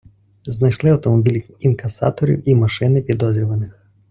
Знайшли автомобіль інкасаторів і машини підозрюваних.